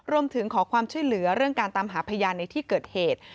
รวมถึงขอความช่วยเหลือเรื่องการตามหาพยานในที่เกิดเหตุ